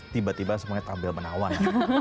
tiba tiba semuanya tampil menawan